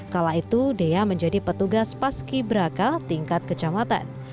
kala itu dea menjadi petugas paski braka tingkat kecamatan